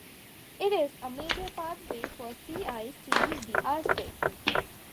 It is a major pathway for sea ice to leave the Arctic.